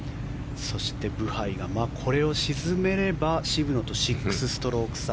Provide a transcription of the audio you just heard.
そしてブハイがこれを沈めれば渋野と６ストローク差。